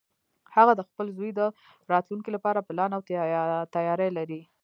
هغه د خپل زوی د راتلونکې لپاره پلان او تیاری لري